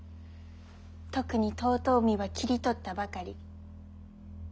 特に遠江は切り取ったばかり。